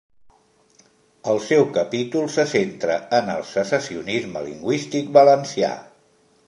El seu capítol se centra en el secessionisme lingüístic valencià.